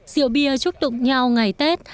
rượu bia chúc tụng nhau ngày tết